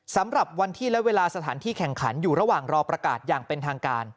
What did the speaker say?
สำหรับวันที่และเวลาสถานที่แข่งขันอยู่ระหว่างรอประกาศอย่างเป็นทางการ